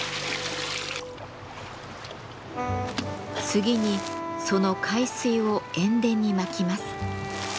次にその海水を塩田にまきます。